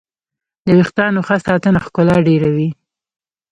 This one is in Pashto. د ویښتانو ښه ساتنه ښکلا ډېروي.